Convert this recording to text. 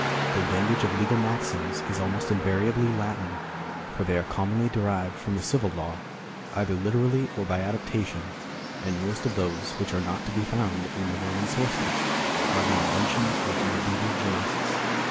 The language of legal maxims is almost invariably Latin, for they are commonly derived from the civil law, either literally or by adaptation, and most of those which are not to be found in the Roman sources are the invention of medieval jurists.